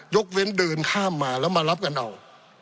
ยกเว้นเดินข้ามมาแล้วมารับกันเอา